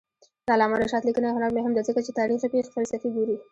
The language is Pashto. د علامه رشاد لیکنی هنر مهم دی ځکه چې تاریخي پېښې فلسفي ګوري.